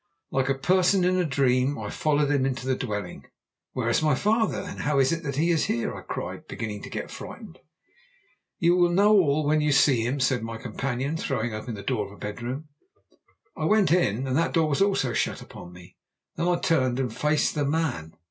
"Like a person in a dream I followed him into the dwelling. "'Where is my father? and how is it that he is here?' I cried, beginning to get frightened. "'You will know all when you see him,' said my companion, throwing open the door of a bedroom. I went in, and that door was also shut upon me. Then I turned and faced the man."